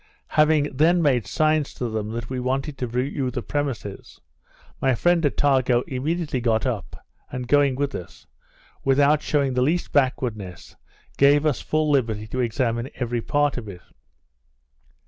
Having then made signs to them that we wanted to view the premises, my friend Attago immediately got up, and going with us, without showing the least backwardness, gave us full liberty to examine every part of it.